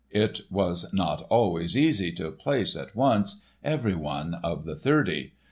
It was not always easy to "place" at once every one of the thirty.